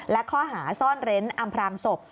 และข้อหาซ่อนเร้นอำพรางศพ